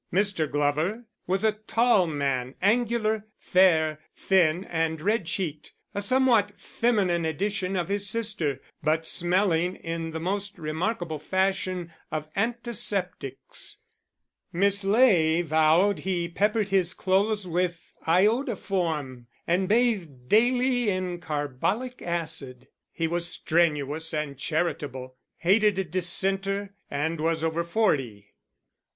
Mr. Glover was a tall man, angular, fair, thin and red cheeked a somewhat feminine edition of his sister, but smelling in the most remarkable fashion of antiseptics; Miss Ley vowed he peppered his clothes with iodoform, and bathed daily in carbolic acid. He was strenuous and charitable, hated a Dissenter, and was over forty.